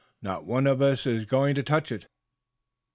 Not one of us is going to touch it."